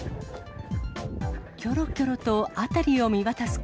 きょろきょろと辺りを見渡す